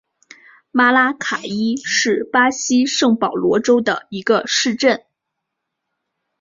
马拉卡伊是巴西圣保罗州的一个市镇。